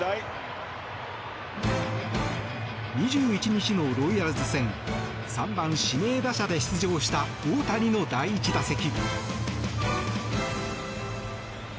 ２１日のロイヤルズ戦３番指名打者で出場した大谷の第１打席。